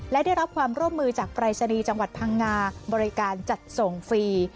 และได้รับความร่วมมือจากปรายศนีย์จังหวัดพังงาบริการจัดส่งฟรี